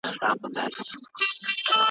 د دې زوی په شکایت یمه راغلې `